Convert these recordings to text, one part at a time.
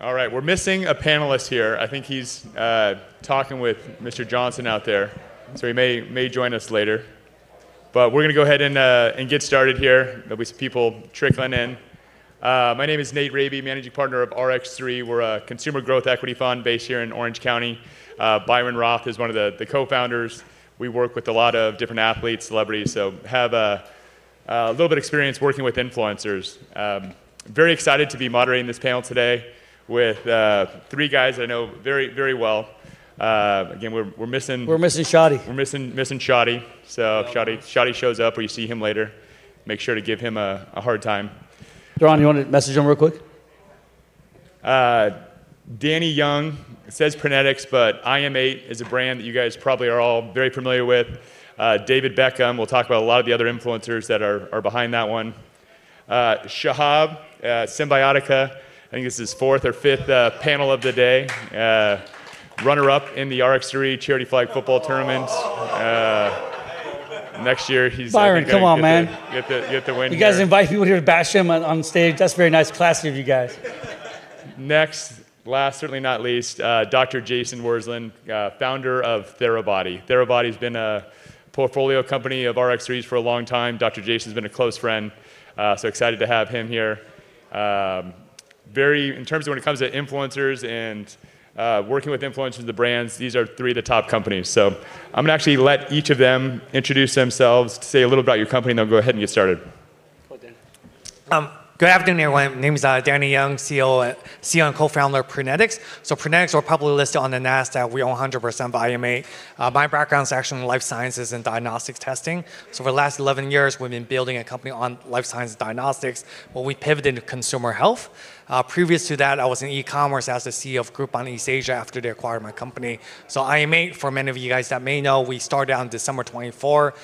All right, we're missing a panelist here. I think he's talking with Mr. Johnson out there, so he may join us later. We're gonna go ahead and get started here. There'll be people trickling in. My name is Nate Raabe, Managing Partner of RX3. We're a consumer growth equity fund based here in Orange County. Byron Roth is one of the co-founders. We work with a lot of different athletes, celebrities, so have a little bit of experience working with influencers. Very excited to be moderating this panel today with three guys I know very, very well. Again, we're missing. We're missing Shadi. We're missing Shadi. If Shadi shows up or you see him later, make sure to give him a hard time. Byron, you wanna message him real quick? Danny Yeung. It says Prenetics, but IM8 is a brand that you guys probably are all very familiar with. David Beckham. We'll talk about a lot of the other influencers that are behind that one. Shahab, Cymbiotika. I think this is his fourth or fifth panel of the day. Runner-up in the RX3 charity flag football tournament. Oh. Next year he's Byron, come on, man. Gonna get the win here. You guys invite people here to bash him on stage. That's very nice. Classy of you guys. Next, last certainly not least, Dr. Jason Wersland, founder of Therabody. Therabody's been a portfolio company of RX3's for a long time. Dr. Jason's been a close friend, so excited to have him here. In terms of when it comes to influencers and, working with influencers with the brands, these are three of the top companies. I'm gonna actually let each of them introduce themselves, say a little about your company, and then we'll go ahead and get started. Go ahead, Danny. Good afternoon, everyone. My name's Danny Yeung, CEO and co-founder of Prenetics. Prenetics, we're publicly listed on the Nasdaq. We own 100% of IM8. My background's actually in life sciences and diagnostics testing. For the last 11 years, we've been building a company on life science and diagnostics, but we pivoted into consumer health. Previous to that, I was in e-commerce as the CEO of Groupon East Asia after they acquired my company. IM8, for many of you guys that may know, we started on December 24.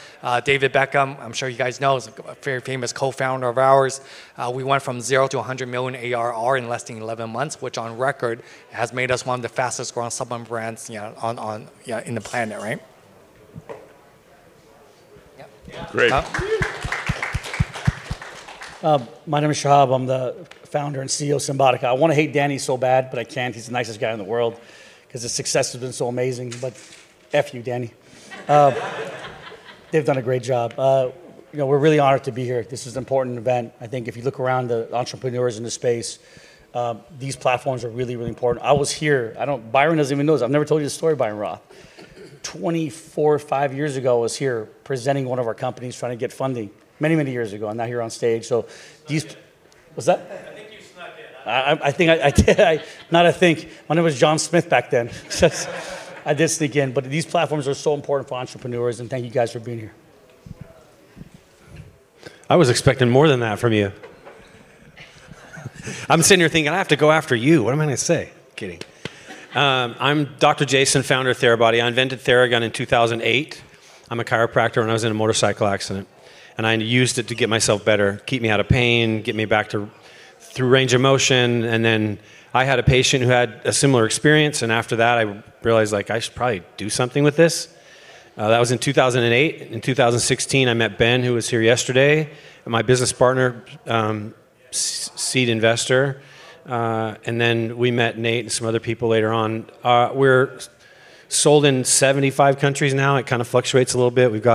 David Beckham, I'm sure you guys know, is a very famous co-founder of ours. We went from zero to $100 million ARR in less than 11 months, which on record has made us one of the fastest growing supplement brands, you know, you know, in the planet, right? Yeah. Great. My name is Shahab. I'm the founder and CEO of Cymbiotika. I wanna hate Danny so bad, but I can't. He's the nicest guy in the world, 'cause his success has been so amazing. F you, Danny. They've done a great job. You know, we're really honored to be here. This is an important event. I think if you look around the entrepreneurs in the space, these platforms are really, really important. I was here. Byron doesn't even know this. I've never told you this story, Byron Roth. 24 or 25 years ago, I was here presenting one of our companies, trying to get funding. Many, many years ago. I'm now here on stage, so these. You snuck in. What's that? I think you snuck in. I think I did. Not I think. My name was John Smith back then. I did sneak in, but these platforms are so important for entrepreneurs, and thank you guys for being here. I was expecting more than that from you. I'm sitting here thinking, "I have to go after you. What am I gonna say?" Kidding. I'm Dr. Jason, founder of Therabody. I invented Theragun in 2008. I'm a chiropractor, and I was in a motorcycle accident, and I used it to get myself better, keep me out of pain, get me back through range of motion. I had a patient who had a similar experience, and after that, I realized, like, "I should probably do something with this." That was in 2008. In 2016, I met Ben, who was here yesterday, and my business partner, seed investor. We met Nate and some other people later on. We're sold in 75 countries now. It kind of fluctuates a little bit. We've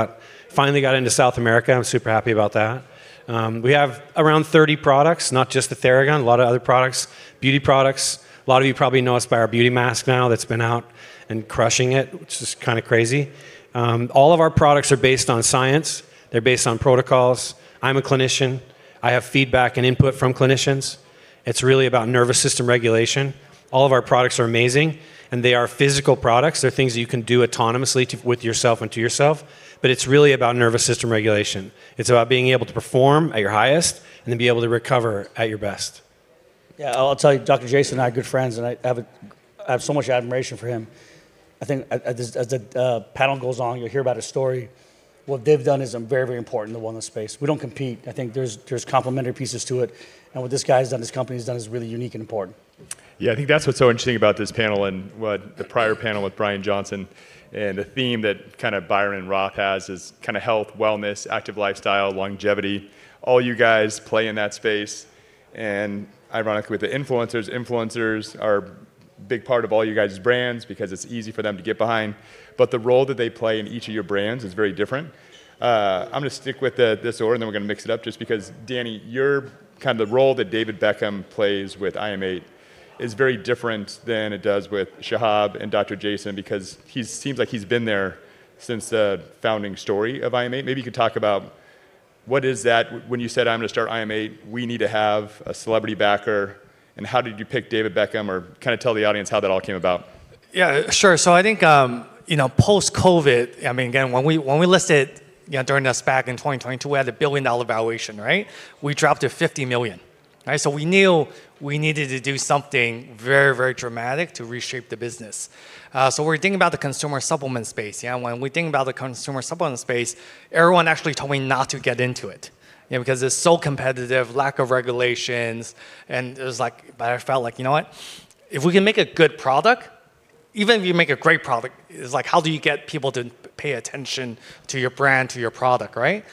finally got into South America. I'm super happy about that. We have around 30 products. Not just the Theragun, a lot of other products. Beauty products. A lot of you probably know us by our beauty mask now that's been out and crushing it, which is kind of crazy. All of our products are based on science. They're based on protocols. I'm a clinician. I have feedback and input from clinicians. It's really about nervous system regulation. All of our products are amazing, and they are physical products. They're things that you can do autonomously to, with yourself and to yourself, but it's really about nervous system regulation. It's about being able to perform at your highest and then be able to recover at your best. Yeah, I'll tell you, Dr. Jason and I are good friends, and I have so much admiration for him. I think as the panel goes on, you'll hear about his story. What they've done is very, very important in the wellness space. We don't compete. I think there's complementary pieces to it. What this guy has done and his company has done is really unique and important. Yeah, I think that's what's so interesting about this panel and what the prior panel with Bryan Johnson and the theme that kind of Byron and Roth has is kind of health, wellness, active lifestyle, longevity. All you guys play in that space. Ironically, with the influencers are big part of all you guys' brands because it's easy for them to get behind. The role that they play in each of your brands is very different. I'm gonna stick with this order, and then we're gonna mix it up, just because, Danny, your kind of the role that David Beckham plays with IM8 is very different than it does with Shahab and Dr. Jason Wersland because he seems like he's been there since the founding story of IM8. Maybe you could talk about what is that when you said, "I'm gonna start IM8, we need to have a celebrity backer," and how did you pick David Beckham or kind of tell the audience how that all came about. Yeah, sure. I think, you know, post-COVID, I mean, again, when we listed, you know, during this back in 2022, we had a $1 billion valuation, right? We dropped to $50 million, right? We knew we needed to do something very, very dramatic to reshape the business. We were thinking about the consumer supplement space, you know. When we're thinking about the consumer supplement space, everyone actually told me not to get into it, you know, because it's so competitive, lack of regulations, and it was like. I felt like, "You know what? If we can make a good product, even if you make a great product, it's like how do you get people to pay attention to your brand, to your product, right?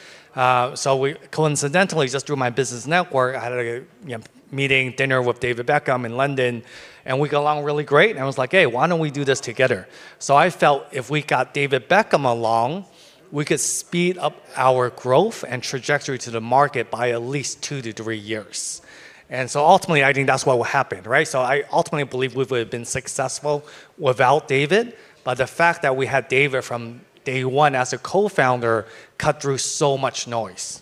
We coincidentally just through my business network, I had a, you know, meeting, dinner with David Beckham in London, and we got along really great. I was like, "Hey, why don't we do this together?" I felt if we got David Beckham along, we could speed up our growth and trajectory to the market by at least two to three years. Ultimately, I think that's what happened, right? I ultimately believe we would have been successful without David, but the fact that we had David from day one as a co-founder cut through so much noise,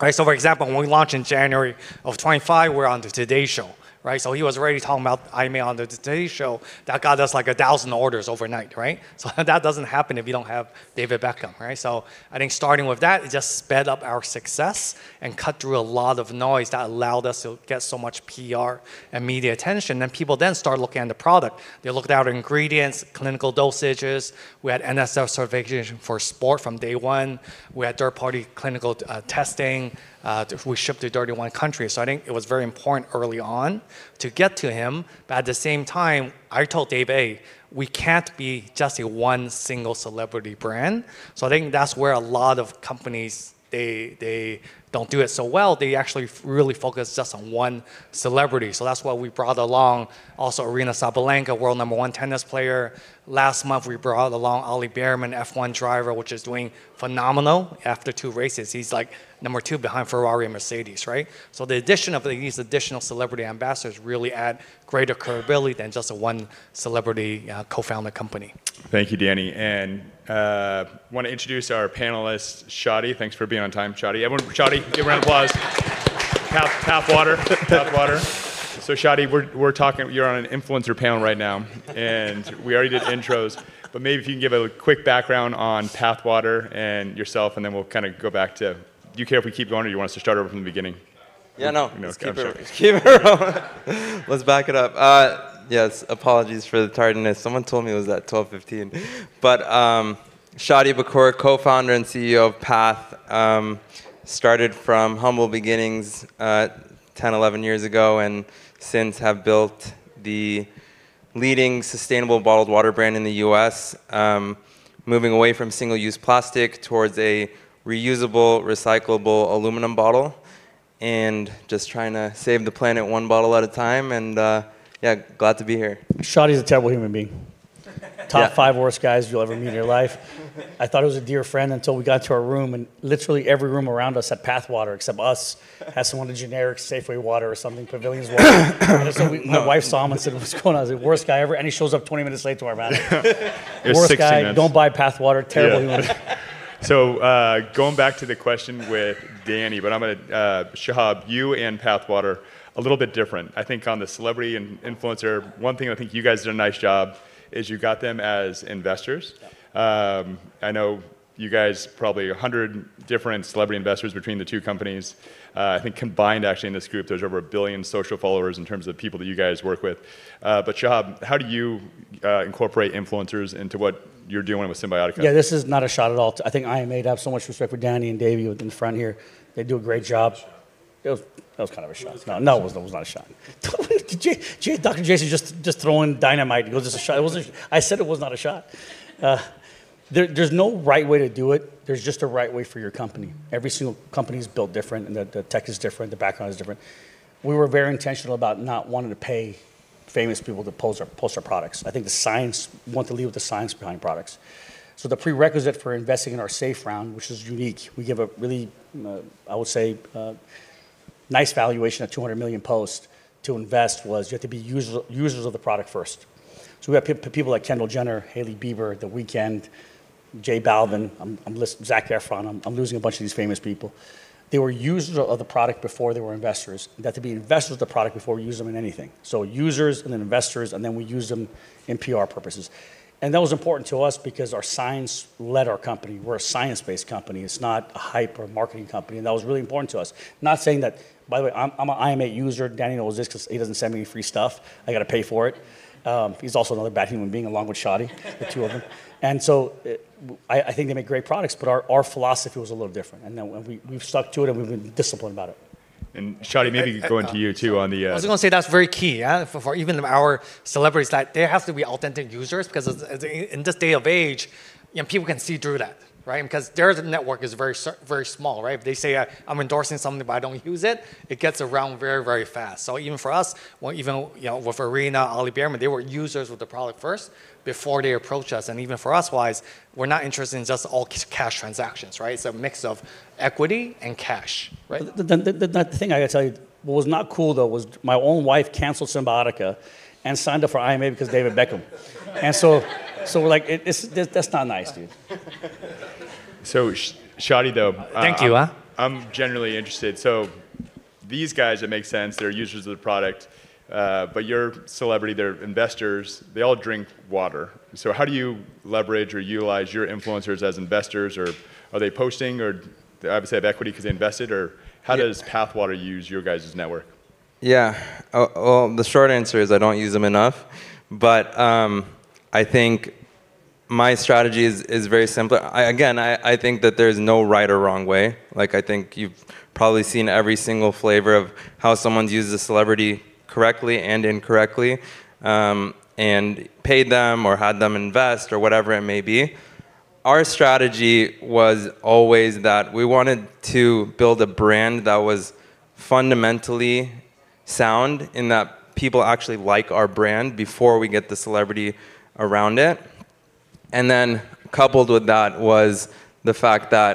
right? For example, when we launched in January 2025, we're on the Today Show, right? He was already talking about IM8 on the Today Show. That got us like 1,000 orders overnight, right? That doesn't happen if you don't have David Beckham, right? I think starting with that, it just sped up our success and cut through a lot of noise that allowed us to get so much PR and media attention. People start looking at the product. They looked at our ingredients, clinical dosages. We had NSF Certified for Sport from day one. We had third-party clinical testing, we shipped to 31 countries. I think it was very important early on to get to him. But at the same time, I told David, we can't be just a one single celebrity brand. I think that's where a lot of companies, they don't do it so well. They actually really focus just on one celebrity. That's why we brought along also Aryna Sabalenka, world number one tennis player. Last month, we brought along Oliver Bearman, F1 driver, which is doing phenomenal after two races. He's like number two behind Ferrari and Mercedes, right? The addition of these additional celebrity ambassadors really add greater credibility than just a one celebrity, co-found the company. Thank you, Danny. Wanna introduce our panelist, Shadi. Thanks for being on time, Shadi. Everyone, Shadi, give a round of applause. Pathwater. Shadi, we're talking. You're on an influencer panel right now, and we already did intros. Maybe if you can give a quick background on Pathwater and yourself, and then we'll kinda go back to. Do you care if we keep going, or do you want us to start over from the beginning? Yeah, no. No, gotcha. Keep it rolling. Let's back it up. Yes, apologies for the tardiness. Someone told me it was at 12:15. Shadi Bakour, Co-founder and CEO of Path, started from humble beginnings 10-11 years ago and since have built the leading sustainable bottled water brand in the U.S., moving away from single-use plastic towards a reusable, recyclable aluminum bottle and just trying to save the planet one bottle at a time. Yeah, glad to be here. Shadi's a terrible human being. Top five worst guys you'll ever meet in your life. I thought he was a dear friend until we got to our room, and literally every room around us had Pathwater except us. Had some of the generic Safeway water or something, Pavilions water. My wife saw him and said, "What's going on?" I was like, "Worst guy ever," and he shows up 20 minutes late to our meeting. It was 60 minutes. Worst guy. Don't buy Pathwater. Terrible human. Going back to the question with Danny, but I'm gonna Shahab, you and Pathwater, a little bit different. I think on the celebrity and influencer, one thing I think you guys did a nice job is you got them as investors. Yeah. I know you guys probably 100 different celebrity investors between the two companies. I think combined actually in this group, there's over a billion social followers in terms of people that you guys work with. Shahab, how do you incorporate influencers into what you're doing with Cymbiotika? Yeah, this is not a shot at all. I think IM8 have so much respect for Danny and David in front here. They do a great job. It was a shot. That was kind of a shot. No, it was not a shot. Dr. Jason just throwing dynamite. He goes, "It's a shot." It wasn't. I said it was not a shot. There's no right way to do it. There's just a right way for your company. Every single company is built different, and the tech is different, the background is different. We were very intentional about not wanting to pay famous people to post our products. I think the science. We want to lead with the science behind products. The prerequisite for investing in our safe round, which is unique, we give a really, I would say, nice valuation of $200 million post-money was you have to be users of the product first. We have people like Kendall Jenner, Hailey Bieber, The Weeknd, J Balvin, Zac Efron. I'm losing a bunch of these famous people. They were users of the product before they were investors. They had to be investors of the product before we use them in anything. Users and then investors, and then we use them in PR purposes. That was important to us because our science led our company. We're a science-based company. It's not a hype or marketing company, and that was really important to us. Not saying that. By the way, I'm a IM8 user. Danny knows this 'cause he doesn't send me any free stuff. I gotta pay for it. He's also another bad human being along with Shadi. The two of them. I think they make great products, but our philosophy was a little different. We've stuck to it, and we've been disciplined about it. Shadi, maybe going to you too on the, I was gonna say that's very key, yeah? For even our celebrities, like, they have to be authentic users because as in this day of age, you know, people can see through that, right? Because their network is very small, right? If they say, "I'm endorsing something, but I don't use it," it gets around very, very fast. So even for us, or even, you know, with Aryna, Oliver Bearman, they were users of the product first before they approached us. Even for us-wise, we're not interested in just all cash transactions, right? It's a mix of equity and cash, right? The thing I gotta tell you, what was not cool though was my own wife canceled Cymbiotika and signed up for IM8 because David Beckham. Like, that's not nice, dude. Shadi, though, Thank you. I'm generally interested. These guys, it makes sense. They're users of the product, but your celebrities, they're investors. They all drink water. How do you leverage or utilize your influencers as investors? Or are they posting? Or they obviously have equity because they invested? Or how does Pathwater use your guys' network? Well, the short answer is I don't use them enough. I think my strategy is very simple. I again think that there's no right or wrong way. Like, I think you've probably seen every single flavor of how someone's used a celebrity correctly and incorrectly, and paid them or had them invest or whatever it may be. Our strategy was always that we wanted to build a brand that was fundamentally sound in that people actually like our brand before we get the celebrity around it. Then coupled with that was the fact that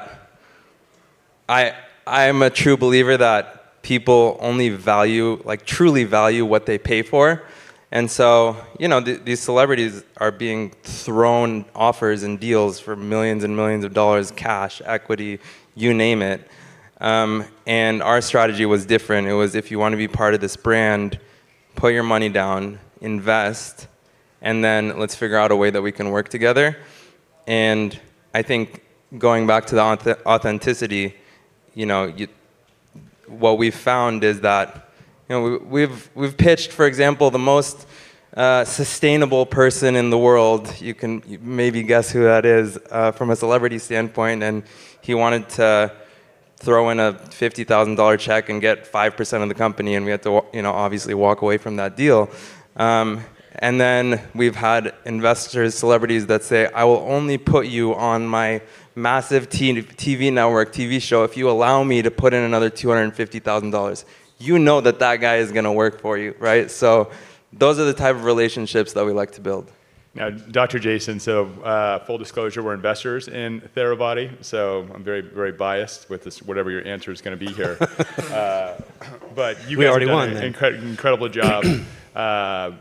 I'm a true believer that people only value, like truly value what they pay for. You know, these celebrities are being thrown offers and deals for millions and millions of dollars, cash, equity, you name it. Our strategy was different. It was, if you wanna be part of this brand, put your money down, invest, and then let's figure out a way that we can work together. I think going back to the authenticity, you know, what we've found is that, you know, we've pitched, for example, the most sustainable person in the world. You can maybe guess who that is from a celebrity standpoint, and he wanted to throw in a $5,000 check and get 5% of the company, and we had to obviously walk away from that deal. We've had investors, celebrities that say, "I will only put you on my massive TV network, TV show, if you allow me to put in another $250,000." You know that guy is gonna work for you, right? Those are the type of relationships that we like to build. Now, Dr. Jason, full disclosure, we're investors in Therabody, so I'm very, very biased with this, whatever your answer is gonna be here. But you guys We already won then. Have done an incredible job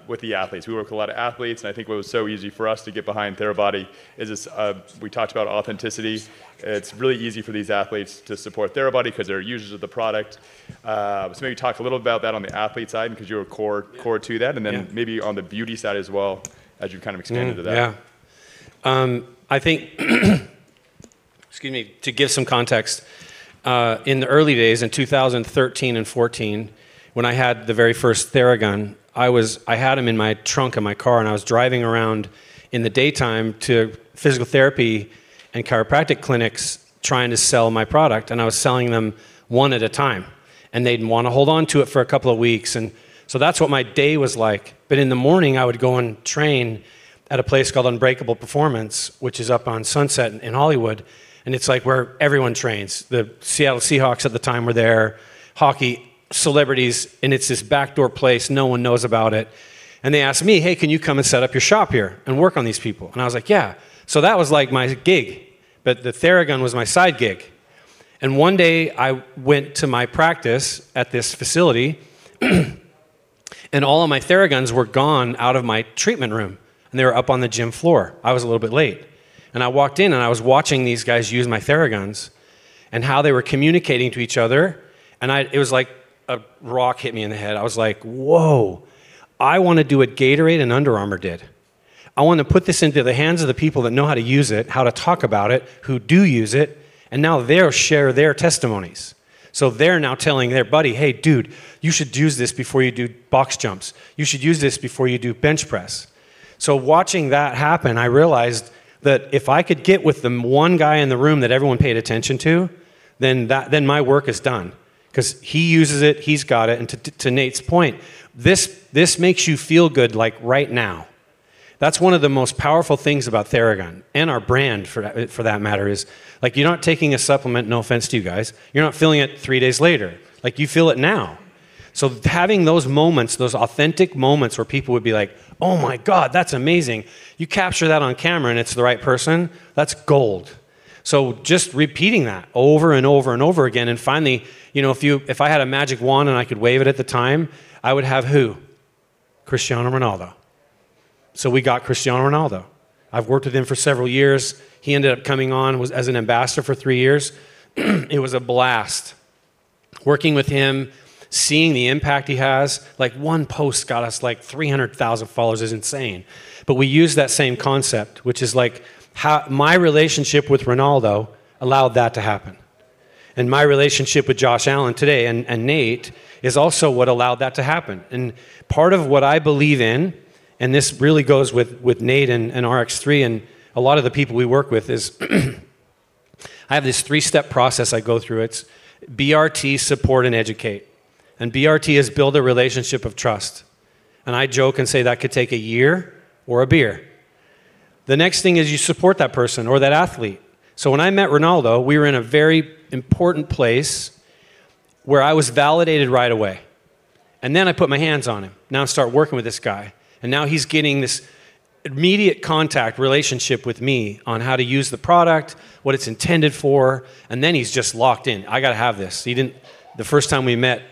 with the athletes. We work with a lot of athletes, and I think what was so easy for us to get behind Therabody is this, we talked about authenticity. It's really easy for these athletes to support Therabody 'cause they're users of the product. Maybe talk a little about that on the athlete side because you're core to that. Yeah. Maybe on the beauty side as well as you've kind of expanded into that. Yeah. I think, excuse me, to give some context, in the early days, in 2013 and 2014, when I had the very first Theragun, I had them in my trunk of my car, and I was driving around in the daytime to physical therapy and chiropractic clinics trying to sell my product, and I was selling them one at a time, and they'd wanna hold on to it for a couple of weeks. That's what my day was like. In the morning, I would go and train at a place called Unbreakable Performance, which is up on Sunset in Hollywood, and it's like where everyone trains. The Seattle Seahawks at the time were there, hockey celebrities, and it's this backdoor place. No one knows about it. They asked me, "Hey, can you come and set up your shop here and work on these people?" I was like, "Yeah." That was like my gig, but the Theragun was my side gig. One day I went to my practice at this facility, and all of my Theraguns were gone out of my treatment room, and they were up on the gym floor. I was a little bit late. I walked in, and I was watching these guys use my Theraguns and how they were communicating to each other, and I, it was like a rock hit me in the head. I was like, "Whoa, I wanna do what Gatorade and Under Armour did. I wanna put this into the hands of the people that know how to use it, how to talk about it, who do use it, and now they'll share their testimonies. They're now telling their buddy, "Hey, dude, you should use this before you do box jumps. You should use this before you do bench press." Watching that happen, I realized that if I could get with the one guy in the room that everyone paid attention to, then that, then my work is done 'cause he uses it, he's got it. To Nate's point, this makes you feel good, like, right now. That's one of the most powerful things about Theragun and our brand for that matter is, like, you're not taking a supplement, no offense to you guys. You're not feeling it three days later. Like, you feel it now. Having those moments, those authentic moments where people would be like, "Oh my God, that's amazing," you capture that on camera, and it's the right person, that's gold. Just repeating that over and over and over again, and finally, you know, if I had a magic wand and I could wave it at the time, I would have who? Cristiano Ronaldo. We got Cristiano Ronaldo. I've worked with him for several years. He ended up coming on as an ambassador for three years. It was a blast working with him, seeing the impact he has. Like, one post got us, like, 300,000 followers. It was insane. We used that same concept, which is, like, my relationship with Ronaldo allowed that to happen, and my relationship with Josh Allen today and Nate is also what allowed that to happen. Part of what I believe in, and this really goes with Nate and RX3 and a lot of the people we work with, is I have this three-step process I go through. It's BRT, support, and educate. BRT is build a relationship of trust. I joke and say that could take a year or a beer. The next thing is you support that person or that athlete. When I met Ronaldo, we were in a very important place where I was validated right away, and then I put my hands on him. Now I start working with this guy, and now he's getting this immediate contact relationship with me on how to use the product, what it's intended for, and then he's just locked in. "I gotta have this." The first time we met,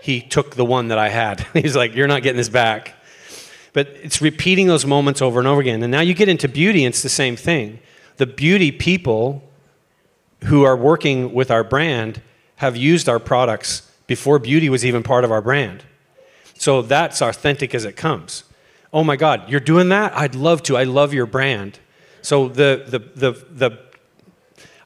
he took the one that I had. He's like, "You're not getting this back." It's repeating those moments over and over again. Now you get into beauty, and it's the same thing. The beauty people who are working with our brand have used our products before beauty was even part of our brand. That's authentic as it comes. "Oh my God, you're doing that? I'd love to. I love your brand."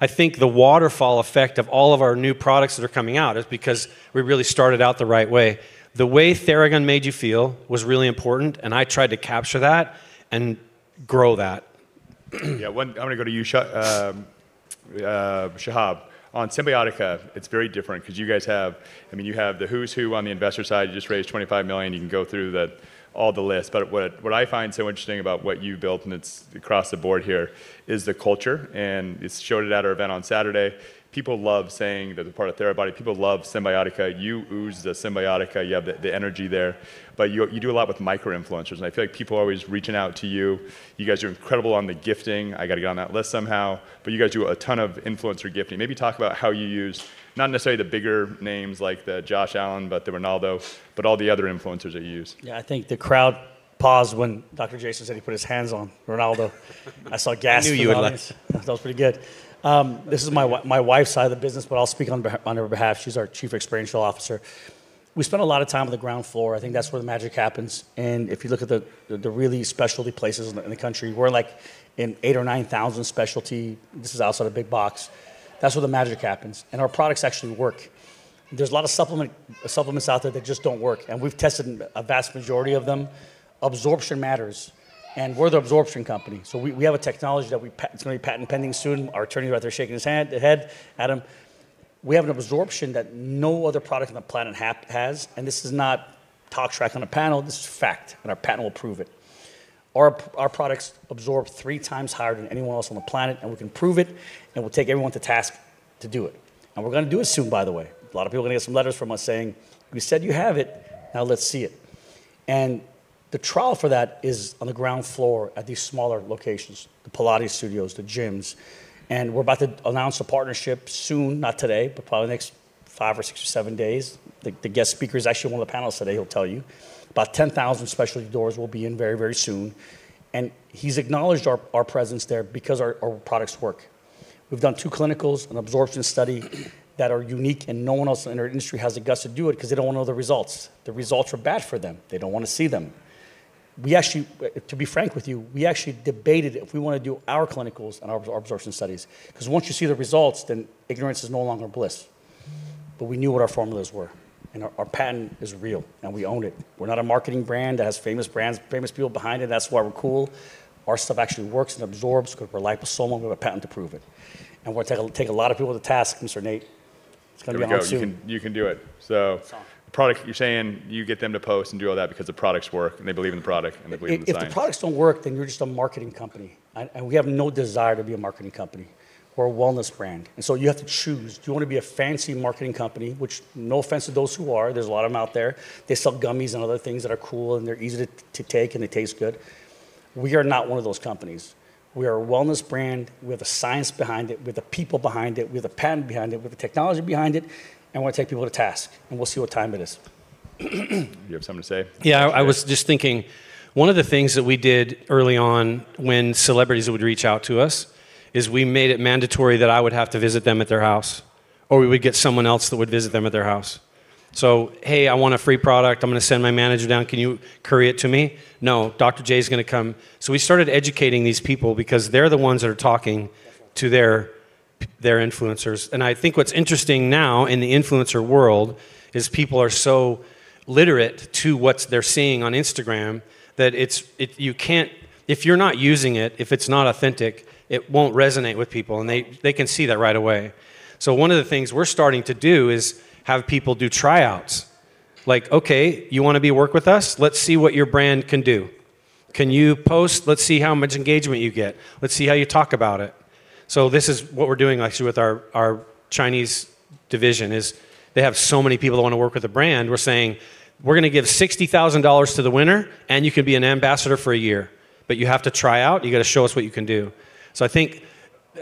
I think the waterfall effect of all of our new products that are coming out is because we really started out the right way. The way Theragun made you feel was really important, and I tried to capture that and grow that. I'm going to you, Shahab. On Cymbiotika, it's very different 'cause you guys have. I mean, you have the who's who on the investor side. You just raised $25 million. You can go through all the lists. What I find so interesting about what you built, and it's across the board here, is the culture, and you showed it at our event on Saturday. People love saying that they're part of Therabody. People love Cymbiotika. You ooze the Cymbiotika. You have the energy there. You do a lot with micro-influencers, and I feel like people are always reaching out to you. You guys are incredible on the gifting. I gotta get on that list somehow. You guys do a ton of influencer gifting. Maybe talk about how you use, not necessarily the bigger names like the Josh Allen, the Ronaldo, but all the other influencers that you use. Yeah. I think the crowd paused when Dr. Jason said he put his hands on Ronaldo. I saw gasps in the audience. I knew you would like. That was pretty good. This is my wife's side of the business, but I'll speak on her behalf. She's our Chief Experiential Officer. We spend a lot of time on the ground floor. I think that's where the magic happens. If you look at the really specialty places in the country, we're like in 8,000 or 9,000 specialty. This is outside of big box. That's where the magic happens, and our products actually work. There's a lot of supplements out there that just don't work, and we've tested a vast majority of them. Absorption matters, and we're the absorption company, so we have a technology that it's gonna be patent pending soon. Our attorney right there shaking his head. Adam. We have an absorption that no other product on the planet has, and this is not talk track on a panel. This is fact, and our patent will prove it. Our products absorb 3x higher than anyone else on the planet, and we can prove it, and we'll take everyone to task to do it, and we're gonna do it soon, by the way. A lot of people are gonna get some letters from us saying, "We said you have it. Now let's see it." The trial for that is on the ground floor at these smaller locations, the Pilates studios, the gyms, and we're about to announce a partnership soon, not today, but probably the next five or six or seven days. The guest speaker is actually one of the panelists today. He'll tell you. About 10,000 specialty doors we'll be in very, very soon, and he's acknowledged our presence there because our products work. We've done two clinicals, an absorption study that are unique, and no one else in our industry has the guts to do it 'cause they don't wanna know the results. The results are bad for them. They don't wanna see them. We actually, to be frank with you, we actually debated if we wanna do our clinicals and our absorption studies 'cause once you see the results, then ignorance is no longer bliss. We knew what our formulas were, and our patent is real, and we own it. We're not a marketing brand that has famous brands, famous people behind it, that's why we're cool. Our stuff actually works and absorbs 'cause we've relied so long on our patent to prove it, and we'll take a lot of people to task, Mr. Raabe. It's gonna be out soon. Here we go. You can do it. It's on. The product, you're saying you get them to post and do all that because the products work, and they believe in the product, and they believe in the science. If the products don't work, then you're just a marketing company. We have no desire to be a marketing company. We're a wellness brand, and so you have to choose. Do you wanna be a fancy marketing company? Which, no offense to those who are, there's a lot of them out there. They sell gummies and other things that are cool, and they're easy to take, and they taste good. We are not one of those companies. We are a wellness brand. We have the science behind it. We have the people behind it. We have the patent behind it. We have the technology behind it, and we're gonna take people to task, and we'll see what time it is. You have something to say, Dr. J? Yeah. I was just thinking, one of the things that we did early on when celebrities would reach out to us is we made it mandatory that I would have to visit them at their house, or we would get someone else that would visit them at their house. "Hey, I want a free product. I'm gonna send my manager down. Can you courier it to me?" "No. Dr. J's gonna come." We started educating these people because they're the ones that are talking to their influencers. I think what's interesting now in the influencer world is people are so literate to what they're seeing on Instagram that it's, you can't. If you're not using it, if it's not authentic, it won't resonate with people, and they can see that right away. One of the things we're starting to do is have people do tryouts. Like, "Okay, you wanna work with us? Let's see what your brand can do. Can you post? Let's see how much engagement you get. Let's see how you talk about it." This is what we're doing actually with our Chinese division. They have so many people that wanna work with the brand. We're saying, "We're gonna give $60,000 to the winner, and you can be an ambassador for a year. But you have to try out. You gotta show us what you can do." I think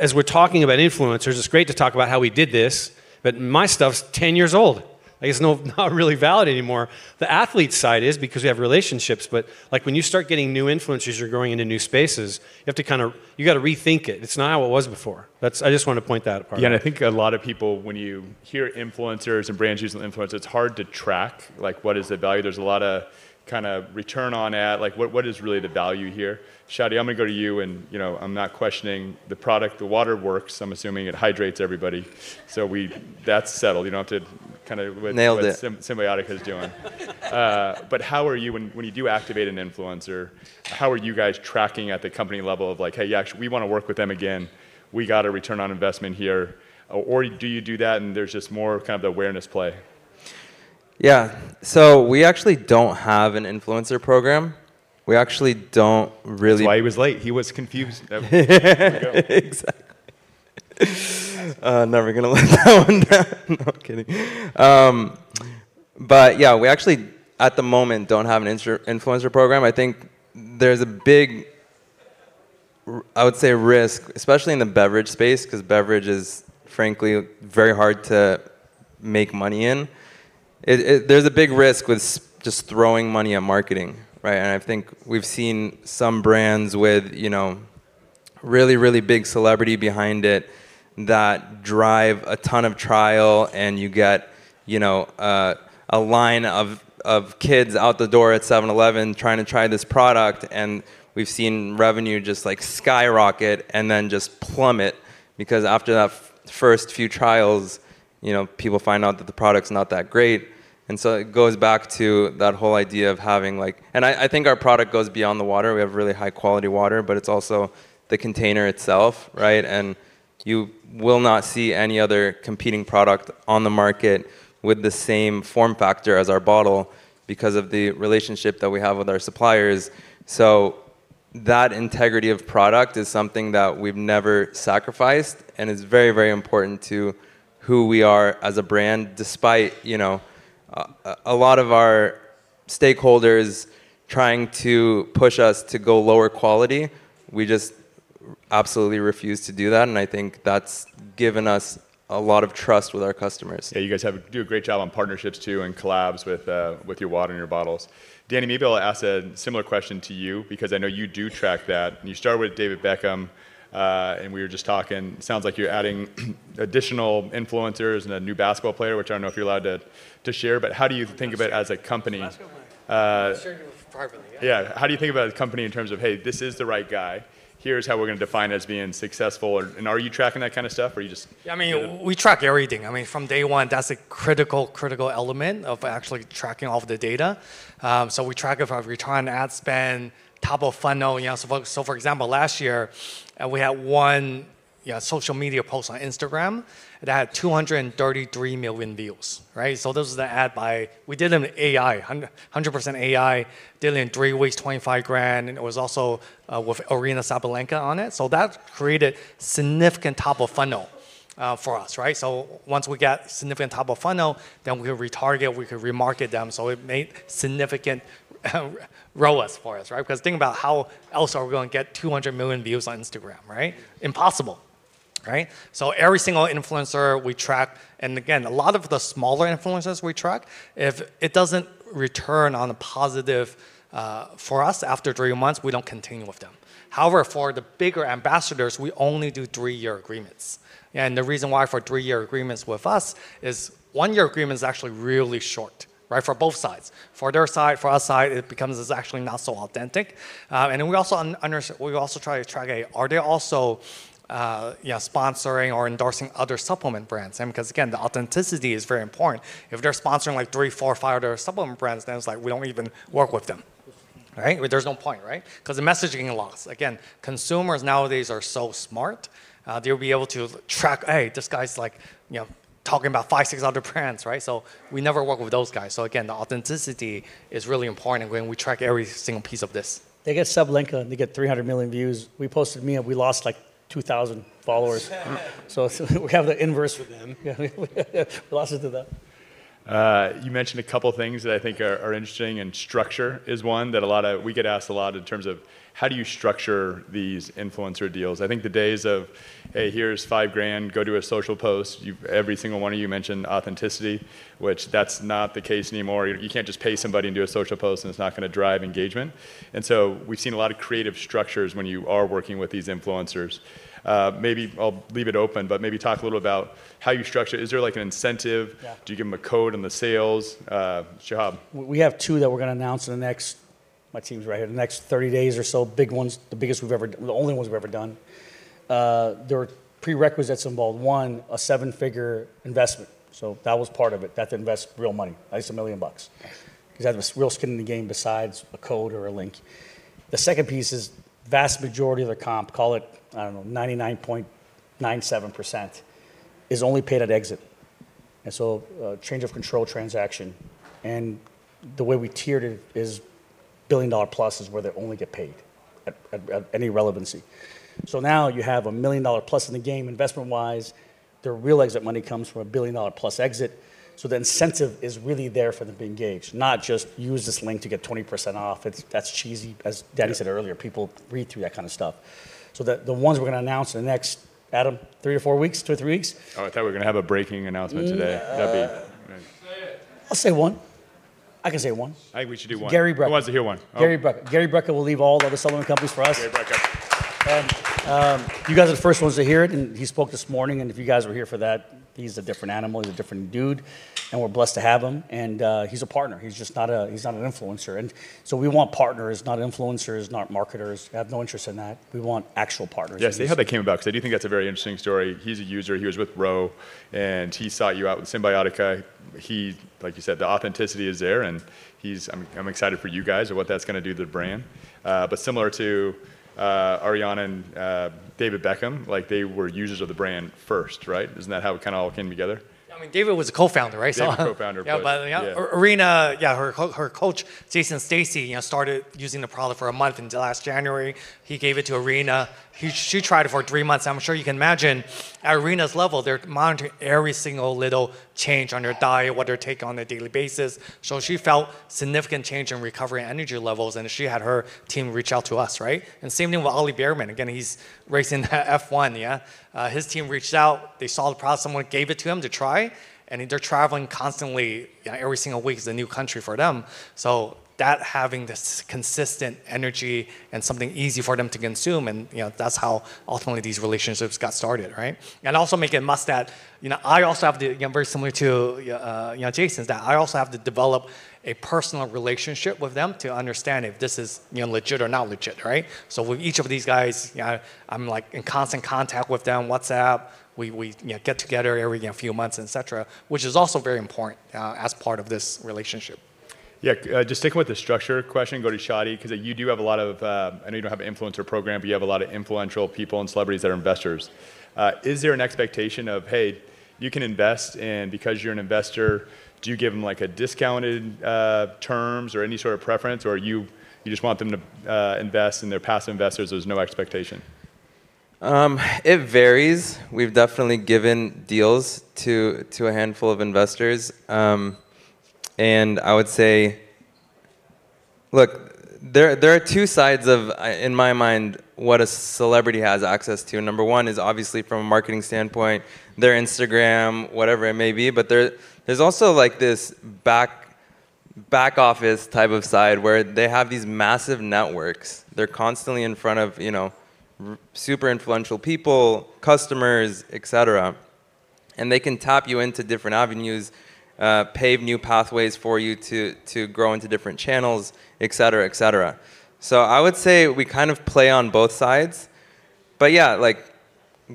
as we're talking about influencers, it's great to talk about how we did this, but my stuff's 10 years old, like it's not really valid anymore. The athlete side is because we have relationships, but, like, when you start getting new influencers, you're going into new spaces, you have to kind of, you gotta rethink it. It's not how it was before. That's. I just wanted to point that part out. Yeah, I think a lot of people when you hear influencers and brands using influencers, it's hard to track, like, what is the value. There's a lot of kind of return on ad. Like, what is really the value here? Shadi, I'm gonna go to you and, you know, I'm not questioning the product. The water works. I'm assuming it hydrates everybody. We. That's settled. You don't have to kind of what- Nailed it. Cymbiotika is doing. How are you when you do activate an influencer, how are you guys tracking at the company level of like, "Hey, yeah, actually, we wanna work with them again. We got a return on investment here." Or do you do that, and there's just more kind of the awareness play? Yeah. We actually don't have an influencer program. We actually don't really- That's why he was late. He was confused. There we go. Exactly. Never gonna live that one down. No, I'm kidding. Yeah, we actually at the moment don't have an influencer program. I think there's a big risk, especially in the beverage space 'cause beverage is frankly very hard to make money in. There's a big risk with just throwing money at marketing, right? I think we've seen some brands with, you know, really big celebrity behind it that drive a ton of trial, and you get You know, a line of kids out the door at 7-Eleven trying this product, and we've seen revenue just like skyrocket and then just plummet because after that first few trials, you know, people find out that the product's not that great. It goes back to that whole idea of having like. I think our product goes beyond the water. We have really high quality water, but it's also the container itself, right? You will not see any other competing product on the market with the same form factor as our bottle because of the relationship that we have with our suppliers. That integrity of product is something that we've never sacrificed and is very, very important to who we are as a brand despite, you know, a lot of our stakeholders trying to push us to go lower quality. We just absolutely refuse to do that, and I think that's given us a lot of trust with our customers. Yeah, you guys do a great job on partnerships too and collabs with your water and your bottles. Danny, maybe I'll ask a similar question to you because I know you do track that, and you started with David Beckham, and we were just talking. Sounds like you're adding additional influencers and a new basketball player, which I don't know if you're allowed to share, but how do you think about it as a company? Sharing it privately, yeah. Yeah. How do you think about a company in terms of, "Hey, this is the right guy. Here's how we're gonna define as being successful," or are you tracking that kind of stuff or are you just- Yeah, I mean, we track everything. I mean, from day one, that's a critical element of actually tracking all of the data. We track it by return on ad spend, top of funnel, you know. For example, last year, we had one social media post on Instagram that had 233 million views, right? This was the ad buy. We did an IM8, 100% IM8 deal in three weeks, $25,000, and it was also with Aryna Sabalenka on it. That created significant top of funnel for us, right? Once we get significant top of funnel, then we retarget, we could remarket them. It made significant ROAS for us, right? Because think about how else are we gonna get 200 million views on Instagram, right? Impossible, right? Every single influencer we track, and again, a lot of the smaller influencers we track, if it doesn't return on a positive for us after three months, we don't continue with them. However, for the bigger ambassadors, we only do three-year agreements. The reason why for three-year agreements with us is one-year agreement is actually really short, right? For both sides. For their side, for our side, it becomes actually not so authentic. We also try to track, are they also, you know, sponsoring or endorsing other supplement brands? Because, again, the authenticity is very important. If they're sponsoring like three, four, five other supplement brands, then it's like we don't even work with them, right? There's no point, right? Because the messaging gets lost. Again, consumers nowadays are so smart, they'll be able to track, "Hey, this guy's like, you know, talking about five, six other brands," right? We never work with those guys. Again, the authenticity is really important when we track every single piece of this. They get Sabalenka, and they get 300 million views. We posted Mia, and we lost like 2,000 followers. We have the inverse with them. Yeah. We're opposite of that. You mentioned a couple things that I think are interesting, and structure is one we get asked a lot in terms of how do you structure these influencer deals? I think the days of, "Hey, here's $5,000. Go do a social post," every single one of you mentioned authenticity, which that's not the case anymore. You can't just pay somebody to do a social post, and it's not gonna drive engagement. We've seen a lot of creative structures when you are working with these influencers. Maybe I'll leave it open, but maybe talk a little about how you structure. Is there like an incentive? Yeah. Do you give them a code in the sales? Shahab. We have two that we're gonna announce in the next, my team's right here, 30 days or so. Big ones, the biggest, the only ones we've ever done. There were prerequisites involved. One, a seven-figure investment, so that was part of it. They have to invest real money. At least $1 million. Yeah. You gotta have a real skin in the game besides a code or a link. The second piece is vast majority of the comp, call it, I don't know, 99.97% is only paid at exit, and so a change of control transaction. The way we tiered it is $1 billion+ is where they only get paid at any relevancy. Now you have a $1 million+ in the game investment wise. Their real exit money comes from a $1 billion+ exit. The incentive is really there for them to be engaged, not just use this link to get 20% off. That's cheesy. As Danny said earlier, people read through that kind of stuff. The ones we're gonna announce in the next, Adam, three or four weeks? Two or three weeks? Oh, I thought we were gonna have a breaking announcement today. Yeah. That'd be right. Say it. I'll say one. I can say one. I think we should do one. It's Gary Brecka. Who wants to hear one? Okay. Gary Brecka will leave all the other supplement companies for us. Gary Brecka. You guys are the first ones to hear it, and he spoke this morning, and if you guys were here for that, he's a different animal. He's a different dude, and we're blessed to have him. He's a partner. He's just not an influencer. We want partners, not influencers, not marketers. Have no interest in that. We want actual partners. Yeah. Say how that came about, because I do think that's a very interesting story. He's a user. He was with Roth, and he sought you out with Cymbiotika. Like you said, the authenticity is there, and I'm excited for you guys and what that's gonna do to the brand. But similar to Aryna and David Beckham, like, they were users of the brand first, right? Isn't that how it kinda all came together? I mean, David was a co-founder, right? David's a co-founder. Yeah. Yep. Yeah. Aryna, yeah, her coach, Jason Stacy, you know, started using the product for a month until last January. He gave it to Aryna. She tried it for three months. I'm sure you can imagine at Aryna's level, they're monitoring every single little change on her diet, what they take on a daily basis. She felt significant change in recovery and energy levels, and she had her team reach out to us, right? Same thing with Oliver Bearman. Again, he's racing F1, yeah. His team reached out. They saw the product. Someone gave it to him to try, and they're traveling constantly. You know, every single week is a new country for them. Having this consistent energy and something easy for them to consume and, you know, that's how ultimately these relationships got started, right? Also make it a must that, you know, I also have the, again, very similar to, you know, Jason's that I also have to develop a personal relationship with them to understand if this is, you know, legit or not legit, right? With each of these guys, you know, I'm like in constant contact with them, WhatsApp. We, you know, get together every, you know, few months, et cetera, which is also very important, as part of this relationship. Yeah, just sticking with the structure question, go to Shadi, 'cause, you do have a lot of, I know you don't have an influencer program, but you have a lot of influential people and celebrities that are investors. Is there an expectation of, hey, you can invest, and because you're an investor, do you give them like a discounted, terms or any sort of preference, or you just want them to, invest and they're past investors, there's no expectation? It varies. We've definitely given deals to a handful of investors. I would say, look, there are two sides of, in my mind, what a celebrity has access to. Number one is obviously from a marketing standpoint, their Instagram, whatever it may be, but there's also like this back office type of side where they have these massive networks. They're constantly in front of, you know, super influential people, customers, et cetera. They can tap you into different avenues, pave new pathways for you to grow into different channels, et cetera, et cetera. I would say we kind of play on both sides. Yeah, like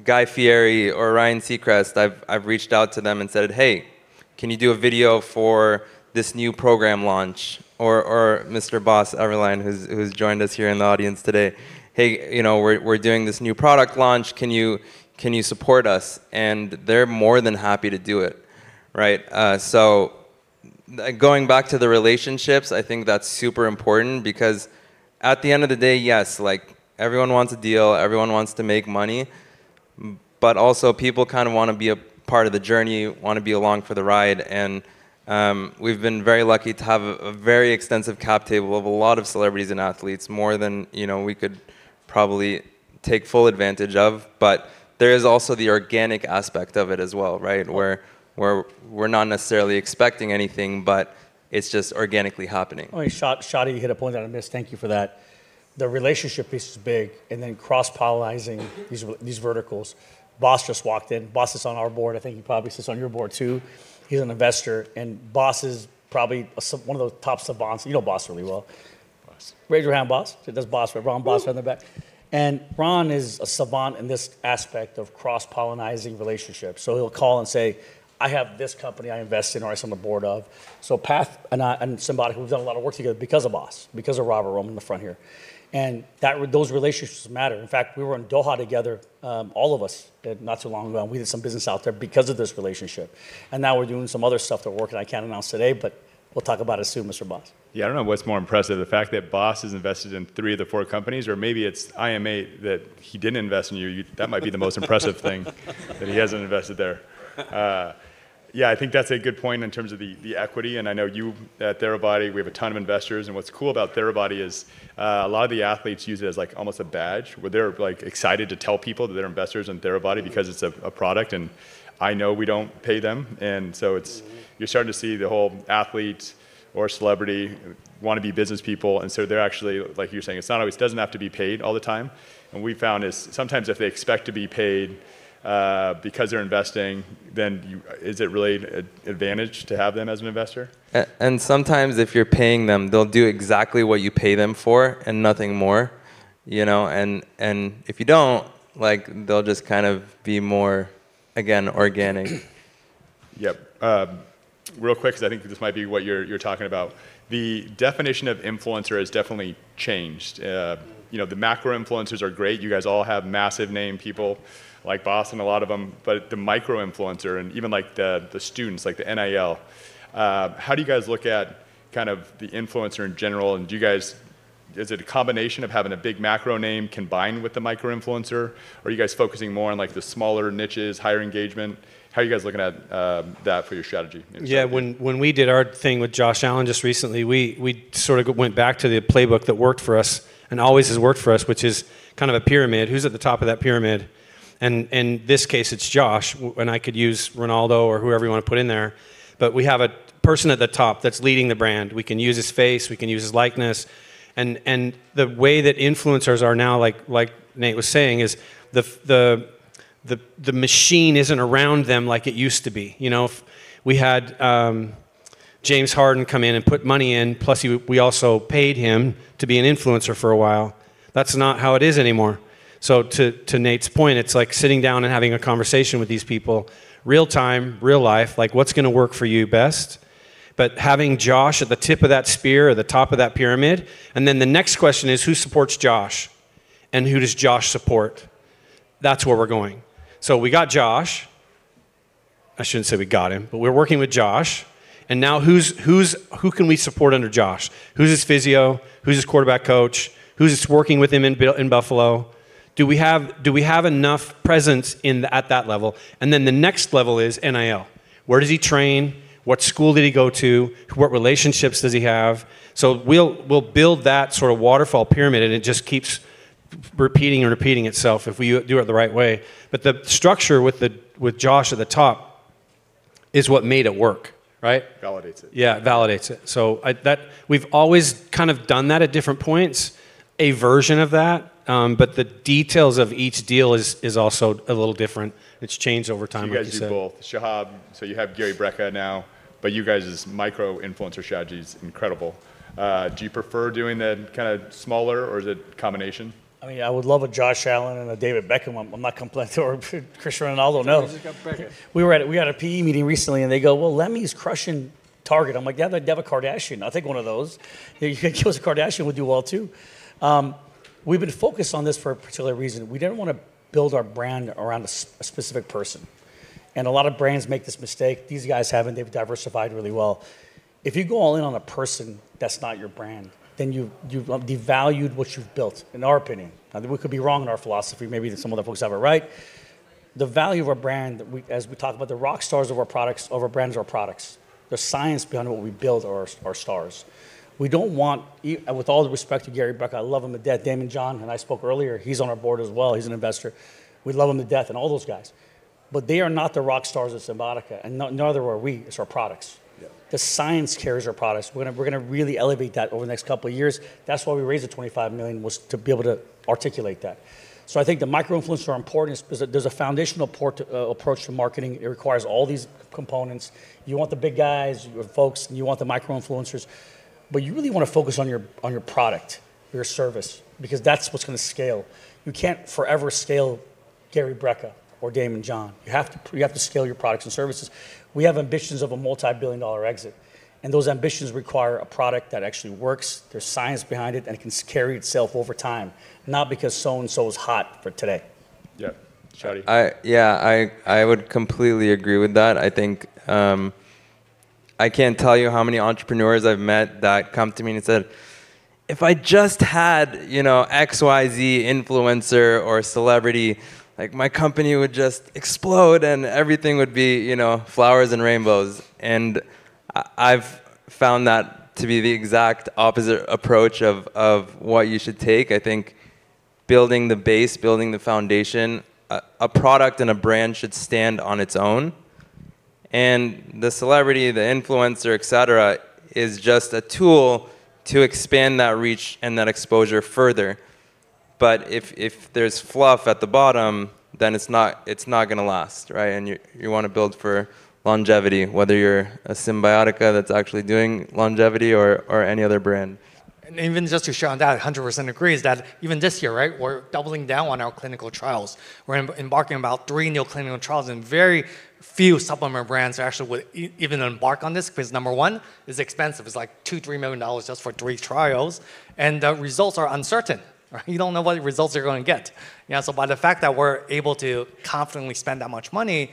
Guy Fieri or Ryan Seacrest, I've reached out to them and said, "Hey, can you do a video for this new program launch?" Or Mr. Boss Everline, who's joined us here in the audience today, "Hey, you know, we're doing this new product launch. Can you support us?" They're more than happy to do it, right? Going back to the relationships, I think that's super important because at the end of the day, yes, like everyone wants a deal, everyone wants to make money, but also people kind of wanna be a part of the journey, wanna be along for the ride. We've been very lucky to have a very extensive cap table. We have a lot of celebrities and athletes, more than you know we could probably take full advantage of. There is also the organic aspect of it as well, right? Where we're not necessarily expecting anything, but it's just organically happening. Only Shadi, you hit a point that I missed. Thank you for that. The relationship piece is big, and then cross-pollinating these verticals. Boss just walked in. Boss is on our board. I think he probably sits on your board too. He's an investor, and Boss is probably one of the top savants. You know Boss really well. Boss. Raise your hand, Boss. There's Boss, Ron Boss in the back. Ron is a savant in this aspect of cross-pollinizing relationships. He'll call and say, "I have this company I invest in, or I sit on the board of." Path and I, and somebody who we've done a lot of work together because of Boss, because of Robert Roman in the front here, and those relationships matter. In fact, we were in Doha together, all of us, not too long ago, and we did some business out there because of this relationship. Now we're doing some other stuff that we're working, I can't announce today, but we'll talk about it soon, Mr. Boss. Yeah, I don't know what's more impressive, the fact that Boss has invested in three of the four companies, or maybe it's IM8 that he didn't invest in you. That might be the most impressive thing, that he hasn't invested there. Yeah, I think that's a good point in terms of the equity, and I know you at Therabody, we have a ton of investors, and what's cool about Therabody is, a lot of the athletes use it as like almost a badge, where they're like excited to tell people that they're investors in Therabody because it's a product and I know we don't pay them. It's- Mm-hmm. You're starting to see the whole athlete or celebrity wanna be business people, and so they're actually, like you were saying, it's not always. It doesn't have to be paid all the time. We found it is sometimes if they expect to be paid because they're investing, then is it really an advantage to have them as an investor? Sometimes if you're paying them, they'll do exactly what you pay them for and nothing more, you know? If you don't, like, they'll just kind of be more, again, organic. Yep. Real quick, 'cause I think this might be what you're talking about. The definition of influencer has definitely changed. You know, the macro influencers are great. You guys all have massive name people like Boss and a lot of them. But the micro influencer and even like the students, like the NIL, how do you guys look at kind of the influencer in general, and do you guys. Is it a combination of having a big macro name combined with the micro influencer? Are you guys focusing more on like the smaller niches, higher engagement? How are you guys looking at that for your strategy in general? Yeah, when we did our thing with Josh Allen just recently, we sort of went back to the playbook that worked for us and always has worked for us, which is kind of a pyramid. Who's at the top of that pyramid? In this case, it's Josh, and I could use Ronaldo or whoever you wanna put in there. But we have a person at the top that's leading the brand. We can use his face, we can use his likeness. The way that influencers are now, like Nate was saying, is the machine isn't around them like it used to be. You know, if we had James Harden come in and put money in, plus you, we also paid him to be an influencer for a while. That's not how it is anymore. To Nate's point, it's like sitting down and having a conversation with these people real time, real life, like what's gonna work for you best. Having Josh at the tip of that spear or the top of that pyramid, and then the next question is, who supports Josh and who does Josh support? That's where we're going. We got Josh. I shouldn't say we got him, but we're working with Josh. Now who can we support under Josh? Who's his physio? Who's his quarterback coach? Who's working with him in Buffalo? Do we have enough presence at that level? Then the next level is NIL. Where does he train? What school did he go to? What relationships does he have? We'll build that sort of waterfall pyramid, and it just keeps repeating and repeating itself if we do it the right way. The structure with Josh at the top is what made it work, right? Validates it. Yeah, validates it. We've always kind of done that at different points, a version of that, but the details of each deal is also a little different. It's changed over time, like you said. You guys do both. Shahab, you have Gary Brecka now, but you guys' micro influencer strategy is incredible. Do you prefer doing the kinda smaller, or is it combination? I mean, I would love a Josh Allen and a David Beckham one. I'm not complaining or Cristiano Ronaldo. No. We had a PE meeting recently, and they go, "Well, Lemme is crushing Target." I'm like, "Yeah, they have a Kardashian. I'll take one of those." You know, you get us a Kardashian, we'll do well, too. We've been focused on this for a particular reason. We didn't wanna build our brand around a specific person, and a lot of brands make this mistake. These guys haven't. They've diversified really well. If you go all in on a person that's not your brand, then you've devalued what you've built, in our opinion. Now, we could be wrong in our philosophy. Maybe some of the folks have it right. The value of our brand. As we talk about the rock stars of our products, of our brands or our products, the science behind what we build are our stars. We don't want. With all due respect to Gary Brecka, I love him to death. Daymond John and I spoke earlier. He's on our board as well. He's an investor. We love him to death, and all those guys. They are not the rock stars of Cymbiotika, and neither are we. It's our products. Yeah. The science carries our products. We're gonna really elevate that over the next couple years. That's why we raised the $25 million, was to be able to articulate that. I think the micro-influencers are important 'cause there's a foundational part approach to marketing. It requires all these components. You want the big guys, your folks, and you want the micro-influencers. You really wanna focus on your product, your service, because that's what's gonna scale. You can't forever scale Gary Brecka or Daymond John. You have to scale your products and services. We have ambitions of a multi-billion-dollar exit, and those ambitions require a product that actually works, there's science behind it, and it can carry itself over time, not because so-and-so's hot for today. Yeah. Shadi? Yeah, I would completely agree with that. I think I can't tell you how many entrepreneurs I've met that come to me and said, "If I just had, you know, X, Y, Z influencer or celebrity, like, my company would just explode, and everything would be, you know, flowers and rainbows." I've found that to be the exact opposite approach of what you should take. I think building the base, building the foundation, a product and a brand should stand on its own, and the celebrity, the influencer, et cetera, is just a tool to expand that reach and that exposure further. If there's fluff at the bottom, then it's not gonna last, right? You wanna build for longevity, whether you're a Cymbiotika that's actually doing longevity or any other brand. Even just to share on that, 100% agree is that even this year, right, we're doubling down on our clinical trials. We're embarking on about three new clinical trials, and very few supplement brands actually would even embark on this, because number one, it's expensive. It's, like, $2 million-$3 million just for three trials, and the results are uncertain, right? You don't know what results you're gonna get. You know, so by the fact that we're able to confidently spend that much money,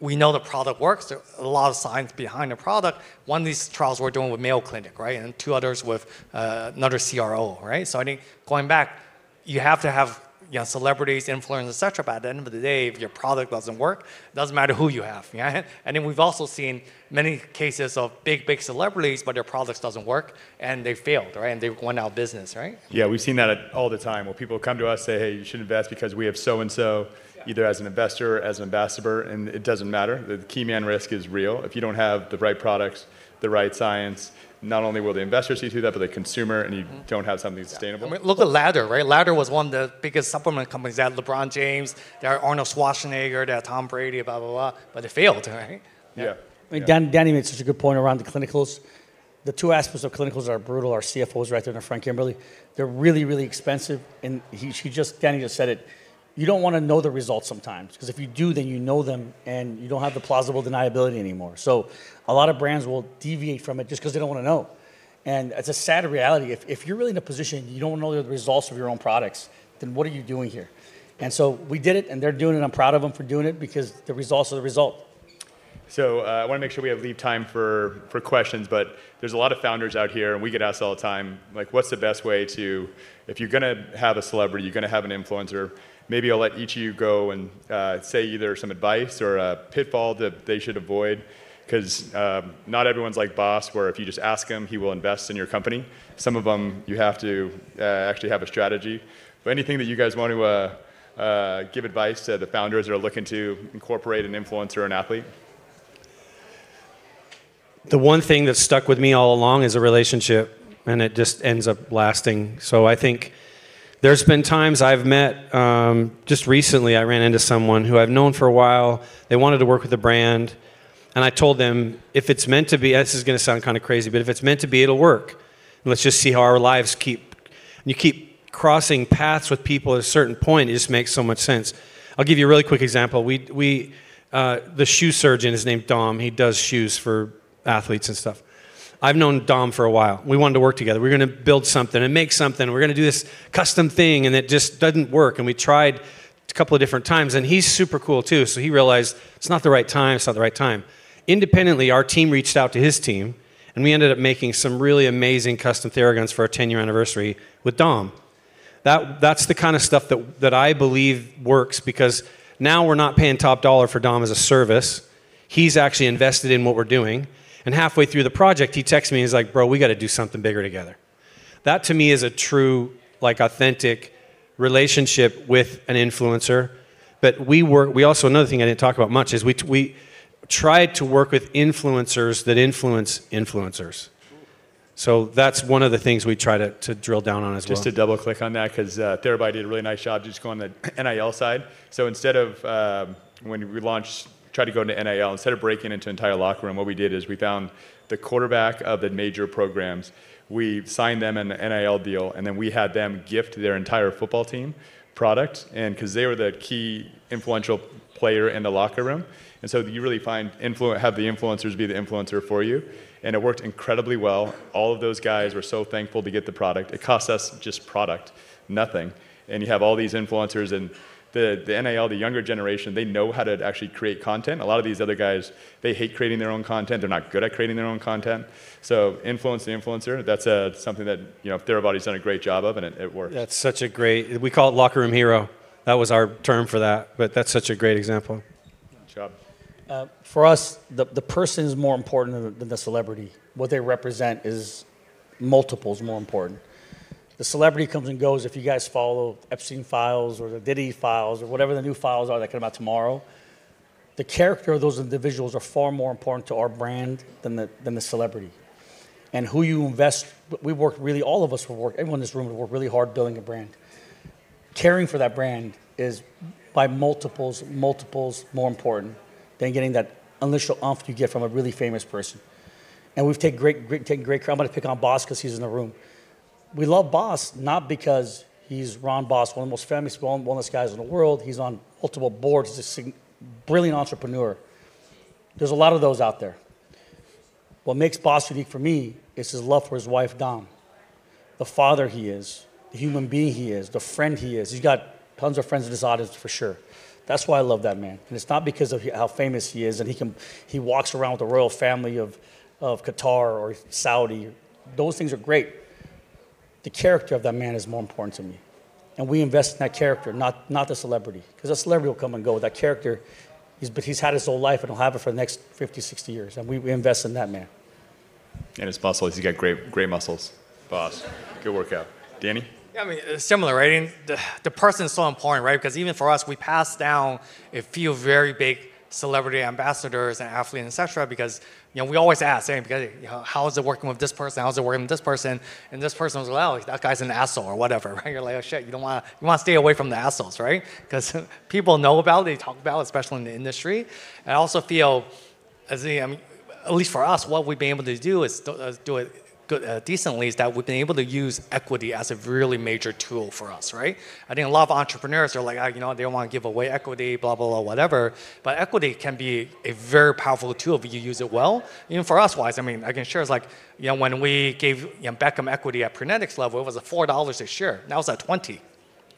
we know the product works. There's a lot of science behind the product. One of these trials we're doing with Mayo Clinic, right, and two others with another CRO, right? I think going back, you have to have, you know, celebrities, influencers, et cetera, but at the end of the day, if your product doesn't work, it doesn't matter who you have, yeah? We've also seen many cases of big, big celebrities, but their products doesn't work, and they failed, right, and they went out of business, right? Yeah, we've seen that all the time, where people come to us, say, "Hey, you should invest because we have so-and-so. Yeah either as an investor or as an ambassador, and it doesn't matter. The key man risk is real. If you don't have the right products, the right science, not only will the investors see through that, but the consumer. Mm-hmm You don't have something sustainable. I mean, look at Ladder, right? Ladder was one of the biggest supplement companies. They had LeBron James, they had Arnold Schwarzenegger, they had Tom Brady, blah, blah, but they failed, right? Yeah. Yeah. I mean, Danny made such a good point around the clinicals. The two aspects of clinicals that are brutal, our CFO's right there named Frank Kimberly, they're really, really expensive, and Danny just said it. You don't wanna know the results sometimes, 'cause if you do, then you know them, and you don't have the plausible deniability anymore. A lot of brands will deviate from it just 'cause they don't wanna know, and it's a sad reality. If you're really in a position you don't know the results of your own products, then what are you doing here? We did it, and they're doing it, and I'm proud of them for doing it, because the results are the result. I want to make sure we have a little time for questions, but there's a lot of founders out here, and we get asked all the time, like, what's the best way. If you're gonna have a celebrity, you're gonna have an influencer, maybe I'll let each of you go and say either some advice or a pitfall that they should avoid, 'cause not everyone's like Bas, where if you just ask him, he will invest in your company. Some of them, you have to actually have a strategy. Anything that you guys want to give advice to the founders that are looking to incorporate an influencer or an athlete? The one thing that stuck with me all along is a relationship, and it just ends up lasting. I think there's been times I've met. Just recently I ran into someone who I've known for a while. They wanted to work with a brand, and I told them, "If it's meant to be." This is gonna sound kind of crazy, but, "If it's meant to be, it'll work, and let's just see how our lives keep." When you keep crossing paths with people, at a certain point it just makes so much sense. I'll give you a really quick example. The Shoe Surgeon is named Dom. He does shoes for athletes and stuff. I've known Dom for a while. We wanted to work together. We're gonna build something and make something, and we're gonna do this custom thing, and it just doesn't work, and we tried a couple of different times. He's super cool, too, so he realized it's not the right time. Independently, our team reached out to his team, and we ended up making some really amazing custom Theraguns for our 10-year anniversary with Dom. That's the kind of stuff that I believe works, because now we're not paying top dollar for Dom as a service. He's actually invested in what we're doing, and halfway through the project, he texts me, he's like, "Bro, we gotta do something bigger together." That, to me, is a true, like, authentic relationship with an influencer. We work. We also. Another thing I didn't talk about much is we try to work with influencers that influence influencers. That's one of the things we try to drill down on as well. Just to double-click on that, 'cause Therabody did a really nice job just going on the NIL side. Instead of when we tried to go into NIL, instead of breaking into entire locker room, what we did is we found the quarterback of the major programs. We signed them an NIL deal, and then we had them gift their entire football team product and 'cause they were the key influential player in the locker room. You really have the influencers be the influencer for you, and it worked incredibly well. All of those guys were so thankful to get the product. It cost us just product, nothing. You have all these influencers, and the NIL, the younger generation, they know how to actually create content. A lot of these other guys, they hate creating their own content. They're not good at creating their own content. Influence the influencer. That's something that, you know, Therabody's done a great job of, and it works. We call it locker room hero. That was our term for that, but that's such a great example. Good job. For us, the person's more important than the celebrity. What they represent is multiples more important. The celebrity comes and goes. If you guys follow Epstein files or the Diddy files or whatever the new files are that come out tomorrow, the character of those individuals are far more important to our brand than the celebrity. All of us work, everyone in this room work really hard building a brand. Caring for that brand is by multiples more important than getting that initial oomph you get from a really famous person. We've taken great. I'm gonna pick on Boss 'cause he's in the room. We love Boss not because he's Ron Boss, one of the most famous wellness guys in the world. He's on multiple boards. He's a brilliant entrepreneur. There's a lot of those out there. What makes Boss unique for me is his love for his wife, Dawn. The father he is, the human being he is, the friend he is. He's got tons of friends in this audience for sure. That's why I love that man, and it's not because of how famous he is and he can walk around with the royal family of Qatar or Saudi. Those things are great. The character of that man is more important to me, and we invest in that character, not the celebrity, 'cause the celebrity will come and go. That character he's had his whole life and will have it for the next 50, 60 years, and we invest in that man. It's possible he's got great muscles. Boss, good workout. Danny? Yeah, I mean, similar, right? The person's so important, right? Because even for us, we passed down a few very big celebrity ambassadors and athletes and et cetera, because, you know, we always ask, you know, "How is it working with this person? How is it working with this person?" And this person was like, "Well, that guy's an asshole," or whatever, right? You're like, "Oh, shit." You wanna stay away from the assholes, right? 'Cause people know about it. They talk about it, especially in the industry. I also feel as a, at least for us, what we've been able to do is do it good decently is that we've been able to use equity as a really major tool for us, right? I think a lot of entrepreneurs are like, you know, they don't wanna give away equity, blah, blah, whatever. Equity can be a very powerful tool if you use it well. Even for us wise, I mean, I can share. It's like, you know, when we gave, you know, Beckham equity at Prenetics level, it was at $4 a share. Now it's at $20,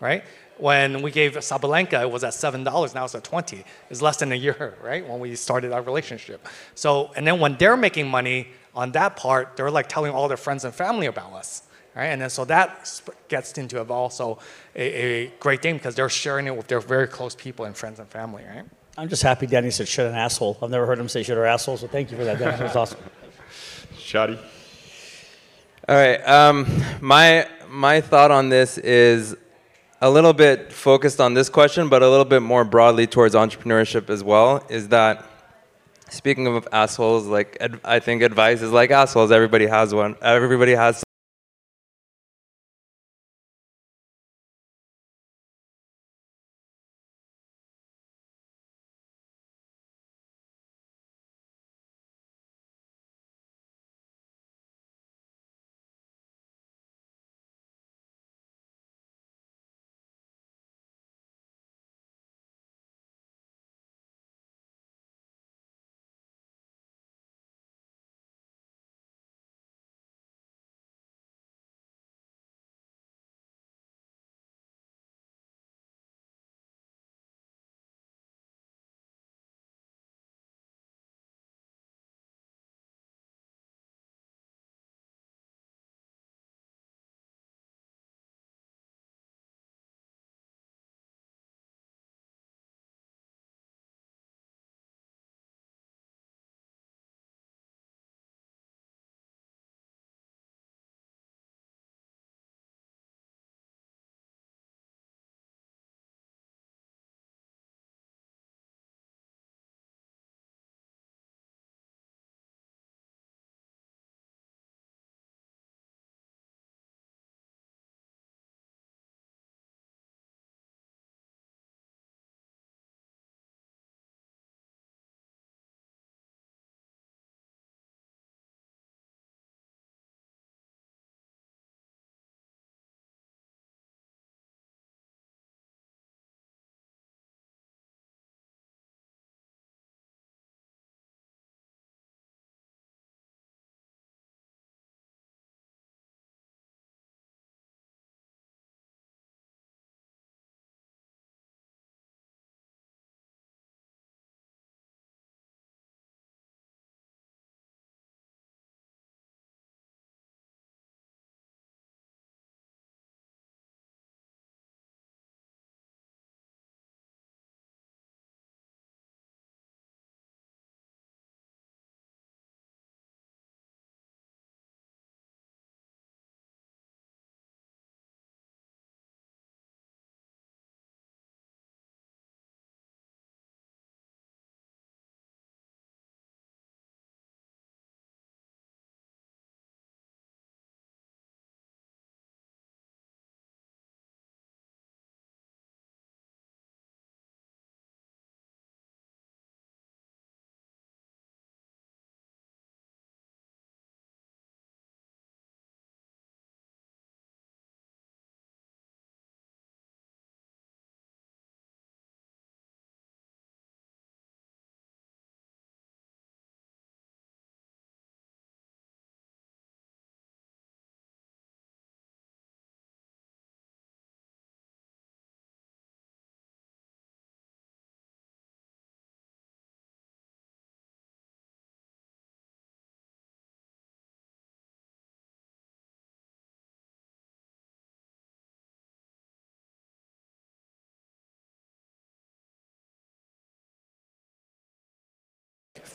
right? When we gave Sabalenka, it was at $7. Now it's at $20. It's less than a year, right, when we started our relationship. When they're making money on that part, they're like telling all their friends and family about us, right? That gets into also a great thing because they're sharing it with their very close people and friends and family, right? I'm just happy Danny said, "Shit and asshole." I've never heard him say shit or asshole, so thank you for that, Danny. That was awesome. Shadi. All right. My thought on this is a little bit focused on this question, but a little bit more broadly towards entrepreneurship as well, is that speaking of assholes, I think advice is like assholes. Everybody has one.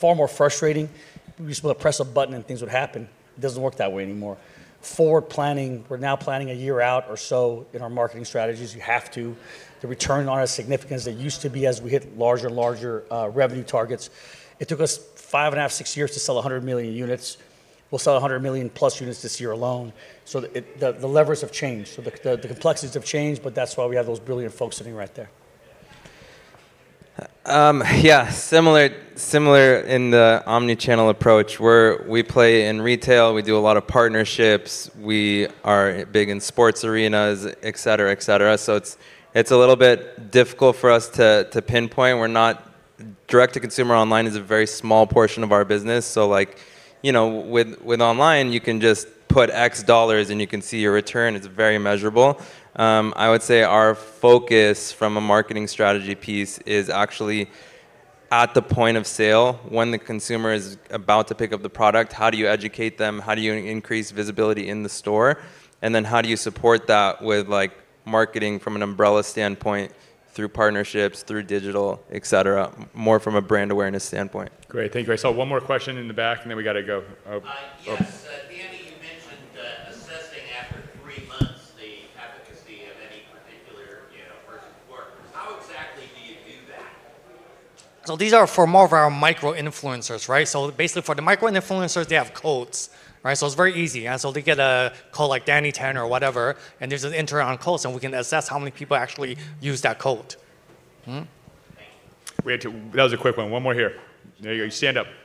Everybody has. Far more frustrating. We used to be able to press a button and things would happen. It doesn't work that way anymore. Forward planning, we're now planning a year out or so in our marketing strategies. You have to. The returns aren't as significant as they used to be as we hit larger and larger revenue targets. It took us 5.5, six years to sell 100 million units. We'll sell 100 million+ units this year alone. The levers have changed. The complexities have changed, but that's why we have those brilliant folks sitting right there. Yeah, similar in the omni-channel approach, where we play in retail, we do a lot of partnerships. We are big in sports arenas, et cetera. It's a little bit difficult for us to pinpoint. Direct to consumer online is a very small portion of our business. Like, you know, with online, you can just put X dollars and you can see your return. It's very measurable. I would say our focus from a marketing strategy piece is actually at the point of sale. When the consumer is about to pick up the product, how do you educate them? How do you increase visibility in the store? And then how do you support that with like marketing from an umbrella standpoint through partnerships, through digital, et cetera, more from a brand awareness standpoint. Great. Thank you. I saw one more question in the back, and then we gotta go. Oh. Oh. Yes. Danny, you mentioned assessing after three months the efficacy of any particular, you know, person. How exactly do you do that? These are for more of our micro-influencers, right? Basically for the micro-influencers, they have codes, right? It's very easy. They get a code like Danny 10 or whatever, and there's an entry code, so we can assess how many people actually use that code. That was a quick one. One more here. There you go. You